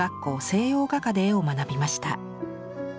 西洋画科で絵を学びました。